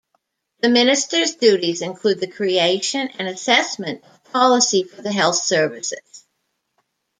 The Minister's duties include the creation and assessment of policy for the health services.